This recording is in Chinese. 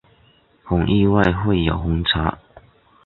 很意外会有红茶